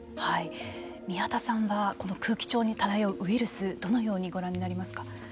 宮田さんはこの空気中に漂うウイルスどのようにご覧になりますか。